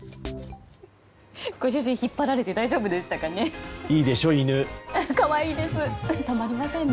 ご主人引っ張られて大丈夫でしたかね？